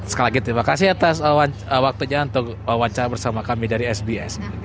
sekali lagi terima kasih atas waktunya untuk wawancara bersama kami dari sbs